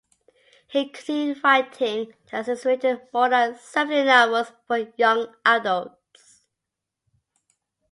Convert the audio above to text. He continued writing and has since written more than seventy novels for young adults.